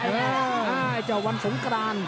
ไอ้เจ้าวันสงกราน